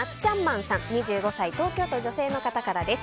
２５歳、東京都女性の方からです。